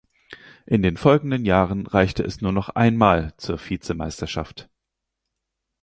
In den folgenden Jahren reichte es nur noch einmal zur Vizemeisterschaft.